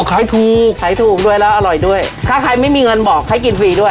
ขายถูกขายถูกด้วยแล้วอร่อยด้วยถ้าใครไม่มีเงินบอกให้กินฟรีด้วย